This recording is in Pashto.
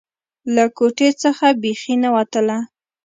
له کوټې څخه بيخي نه وتله.